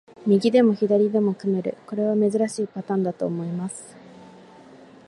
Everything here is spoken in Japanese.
右でも左でも組める、これは珍しいパターンだと思います。